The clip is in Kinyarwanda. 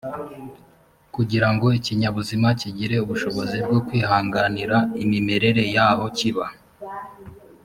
kugirango ikinyabuzima kigire ubushobozi bwo kwihanganira imimerere y’aho kiba